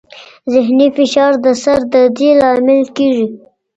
ذهني فشار د سر دردي لامل کېږي.